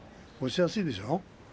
押しやすいんでしょう。